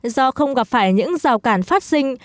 do không gặp phải những rào cản phát sinh